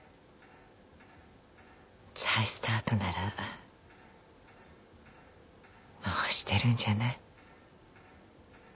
再スタートならもうしてるんじゃない？